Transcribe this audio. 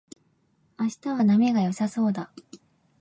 明日は波が良さそうだ